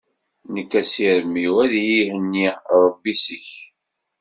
Nekk asirem-iw ad iyi-ihenni Rebbi seg-k.